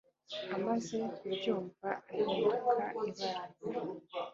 Amaze kubyumva, ahinduka ibara